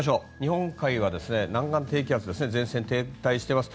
日本海は南岸低気圧前線が停滞しています。